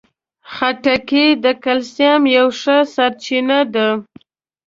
خټکی د کلسیم یوه ښه سرچینه ده.